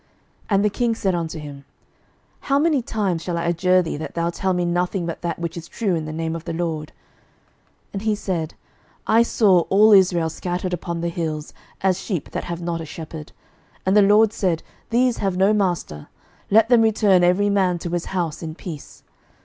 11:022:016 And the king said unto him, How many times shall I adjure thee that thou tell me nothing but that which is true in the name of the LORD? 11:022:017 And he said, I saw all Israel scattered upon the hills, as sheep that have not a shepherd: and the LORD said, These have no master: let them return every man to his house in peace.